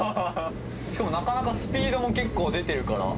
しかもなかなかスピードも結構出てるから。